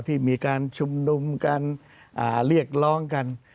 ที่มีการชุมนุมการเรียกร้องกัน